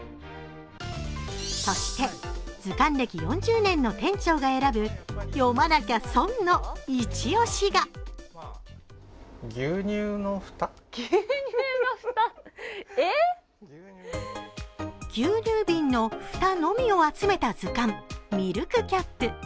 そして図鑑歴４０年の店長が選ぶ読まなきゃ損のイチ押しが牛乳瓶の蓋のみを集めた図鑑「ミルクキャップ」。